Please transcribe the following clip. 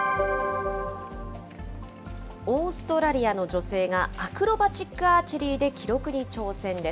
オーストラリアの女性が、アクロバチック・アーチェリーで記録に挑戦です。